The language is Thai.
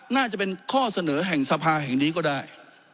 น่าจะเป็นข้อเสนอแห่งสภาแห่งนี้ก็ได้